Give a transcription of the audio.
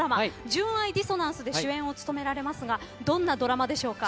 「純愛ディソナンス」で主演を務められますがどんなドラマでしょうか？